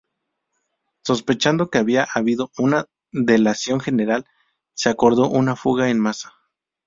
Sospechando que había habido una delación general se acordó una fuga en masa.